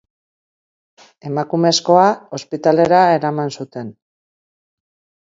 Emakumezkoa ospitalera eraman zuten.